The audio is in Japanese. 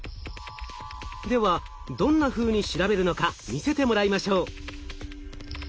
ではどんなふうに調べるのか見せてもらいましょう。